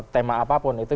tema apapun itu